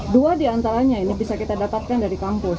dua diantaranya ini bisa kita dapatkan dari kampus